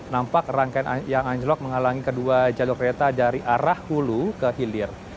nampak rangkaian yang anjlok menghalangi kedua jalur kereta dari arah hulu ke hilir